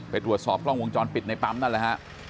ไปตรวจสอบกล้องวงจรปิดในปั๊มนั่นแหละฮะ